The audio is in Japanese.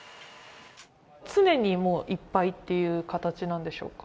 常にもういっぱいっていう形なんでしょうか。